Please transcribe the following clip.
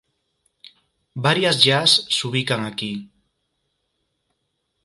Varies llars s'ubiquen aquí.